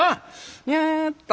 やっと。